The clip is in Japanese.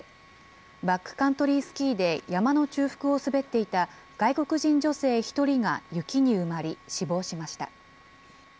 バックカントリースキーで山の中腹を滑っていた外国人女性１人が雪に埋まり、死亡しました。